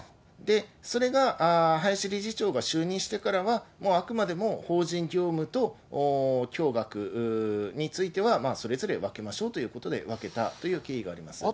それが林理事長が就任してからは、あくまでも法人業務ときょうがくについてはそれぞれ分けましょうということで、分けたという経緯があります。